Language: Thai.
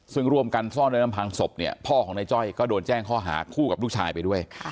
ซึ่งร่วมกันซ่อนโดยลำพังศพเนี่ยพ่อของนายจ้อยก็โดนแจ้งข้อหาคู่กับลูกชายไปด้วย